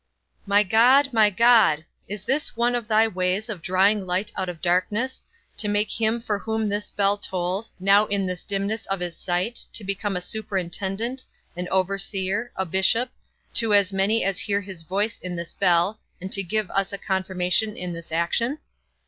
My God, my God, is this one of thy ways of drawing light out of darkness, to make him for whom this bell tolls, now in this dimness of his sight, to become a superintendent, an overseer, a bishop, to as many as hear his voice in this bell, and to give us a confirmation in this action?